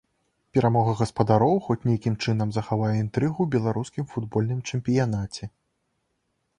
Перамога гаспадароў хоць нейкім чынам захавае інтрыгу ў беларускім футбольным чэмпіянаце.